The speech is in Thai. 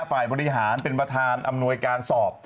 ฝ่ายบริหารเป็นประธานอำนวยการสอบ